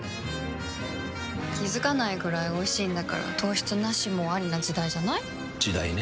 気付かないくらいおいしいんだから糖質ナシもアリな時代じゃない？時代ね。